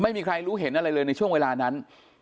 ไม่มีใครรู้เห็นอะไรเลยในช่วงเวลานั้น